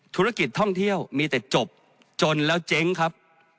ธุรกิจท่องเที่ยวมีแต่จบจนแล้วเจ๊งครับ